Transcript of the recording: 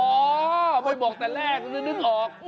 อ๋อไม่บอกแต่แรกนึกออก